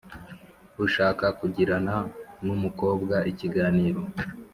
ushaka kugirana nu mukobwa ikiganiro